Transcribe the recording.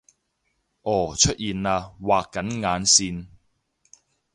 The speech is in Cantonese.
噢出現喇畫緊眼線！